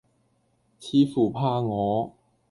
似乎怕我，